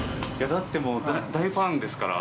だってもう、大ファンですから。